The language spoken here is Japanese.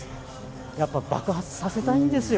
やっぱ爆発させたいんですよ。